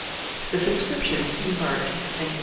] The subscriptions E. March and E.